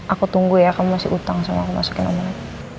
aku tunggu ya kamu masih utang sama aku masukin online